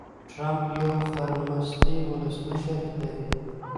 ټرمپ يو خرمستی ولسمشر دي.